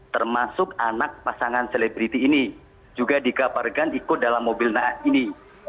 termasuk anak pasangan selebriti ini juga dikabarkan ikut dalam mobil ini